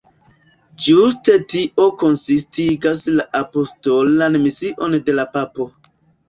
Ĝuste tio konsistigas la apostolan mision de la papo.